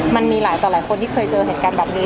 มันมีหลายต่อหลายคนที่เคยเจอเหตุการณ์แบบนี้